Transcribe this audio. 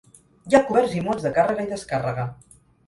Hi ha coberts i molls de càrrega i descàrrega.